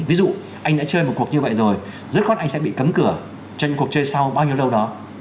ví dụ anh đã chơi một cuộc như vậy rồi rất khó anh sẽ bị cấm cửa cho những cuộc chơi sau bao nhiêu lâu đó